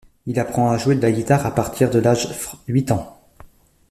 Il apprend à jouer de la guitare à partir de l'âge fr huit ans.